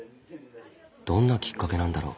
どんなきっかけなんだろう。